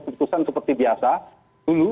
keputusan seperti biasa dulu